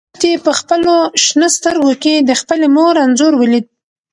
لښتې په خپلو شنه سترګو کې د خپلې مور انځور ولید.